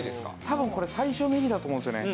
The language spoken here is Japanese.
多分これ最初ねぎだと思うんですよね。